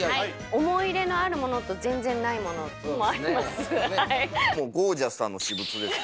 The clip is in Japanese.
思い入れのあるものと、全然ないものもあります。